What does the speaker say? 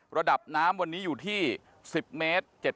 ระดับน้ำวันนี้อยู่ที่๑๐เมตร